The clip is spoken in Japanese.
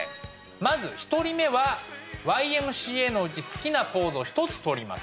まず１人目はＹＭＣＡのうち好きなポーズを１つとります